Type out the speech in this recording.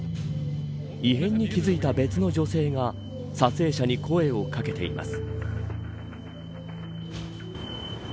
異変に気付いた別の女性が撮影者に声を掛けています。